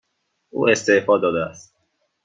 او استعفا داده است.